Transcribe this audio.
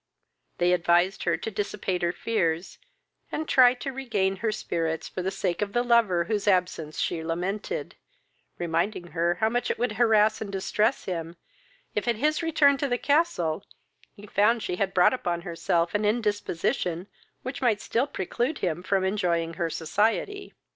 They advised her to dissipate her fears, and try to regain her spirits for the sake of the lover whose absence she lamented, reminding her how much it would harass and distress him, if, at his return to the castle, he found she had brought upon herself an indisposition which might still preclude him from enjoying her society.